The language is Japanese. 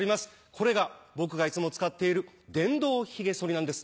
これが僕がいつも使っている電動ひげ剃りなんです。